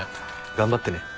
頑張ってね。